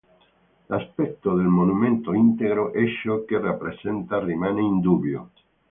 L'aspetto del monumento integro e ciò che rappresenta rimane in dubbio.